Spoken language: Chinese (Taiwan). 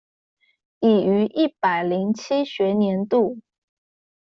已於一百零七學年度